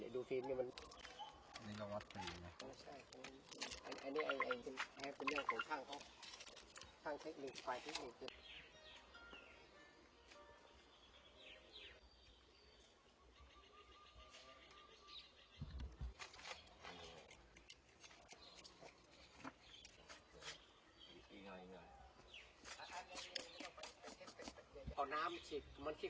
ดูทีนี้มันอันนี้ก็ว่าสีนะอ๋อใช่อันนี้อันนี้อันนี้